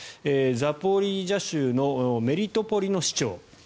ザポリージャ州のメリトポリの市長。